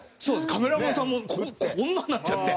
カメラマンさんもこんなんなっちゃって！